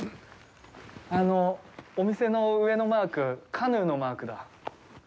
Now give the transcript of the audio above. あのお店の上のマークカヌーのマークだ。